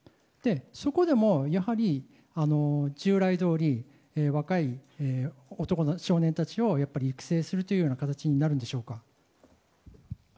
そこでもやっぱり従来どおり若い少年たちを育成というような形になるんでしょうか。